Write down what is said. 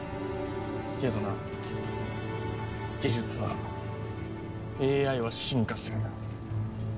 けどな技術はＡＩは進化する。